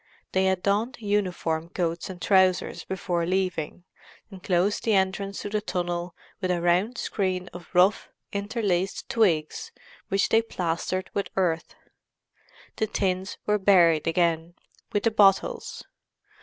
They had donned uniform coats and trousers before leaving, and closed the entrance to the tunnel with a round screen of rough, interlaced twigs which they plastered with earth. The tins were buried again, with the bottles.